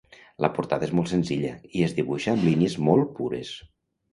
La portada és molt senzilla i es dibuixa amb línies molt pures.